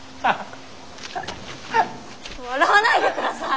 笑わないでください！